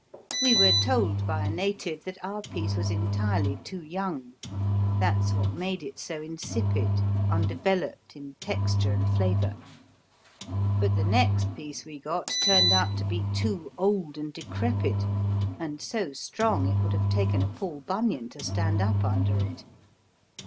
We were told by a native that our piece was entirely too young. That's what made it so insipid, undeveloped in texture and flavor. But the next piece we got turned out to be too old and decrepit, and so strong it would have taken a Paul Bunyan to stand up under it.